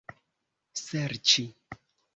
serĉi